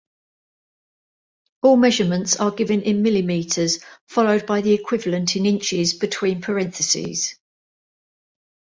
All measurements are given in millimeters, followed by the equivalent in inches between parentheses.